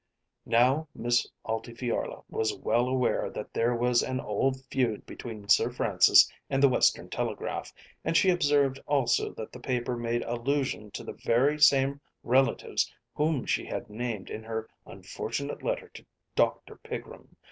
Now Miss Altifiorla was well aware that there was an old feud between Sir Francis and the "Western Telegraph," and she observed also that the paper made allusion to the very same relatives whom she had named in her unfortunate letter to Dr. Pigrum.